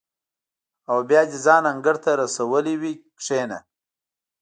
او بیا دې ځان انګړ ته رسولی وي کېنه.